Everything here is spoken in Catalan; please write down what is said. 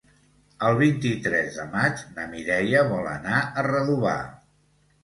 El vint-i-tres de maig na Mireia vol anar a Redovà.